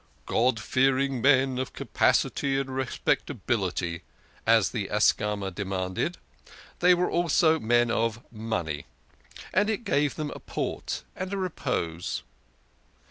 " God fearing men of capacity and respectability," as the Ascama demanded, they were also men of money, and it gave them a port and a repose.